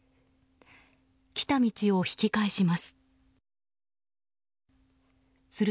来た道を引き返します。